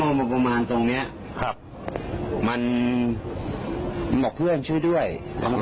มาประมาณตรงเนี้ยครับมันบอกเพื่อนช่วยด้วย